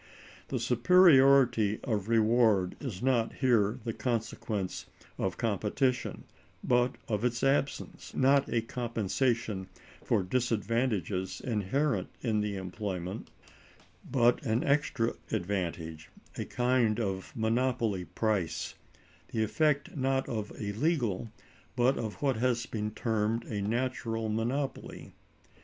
The superiority of reward is not here the consequence of competition, but of its absence: not a compensation for disadvantages inherent in the employment, but an extra advantage; a kind of monopoly price, the effect not of a legal, but of what has been termed a natural monopoly.